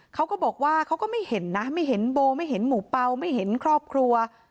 เขาก็บอกว่าเขาก็ไม่เห็นนะไม่เห็นโบไม่เห็นหมู่เปล่าไม่เห็นครอบครัว